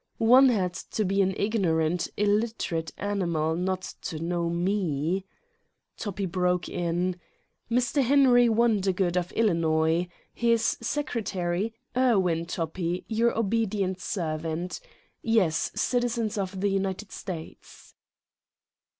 One had to be an ignorant, illiterate animal not to know me. Toppi broke in : "Mr. Henry Wondergood of Illinois. His sec retary, Irwin Toppi, your obedient servant. Yes, citizens of the United States."